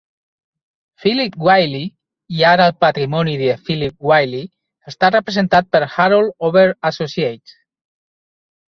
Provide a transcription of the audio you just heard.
Philip Wylie, i ara el patrimoni de Philip Wylie, està representat per Harold Ober Associates.